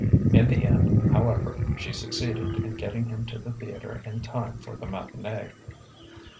In the end, however, she succeeded in getting him to the theatre in time for the matinée.